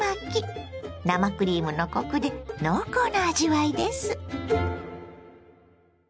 生クリームのコクで濃厚な味わいです。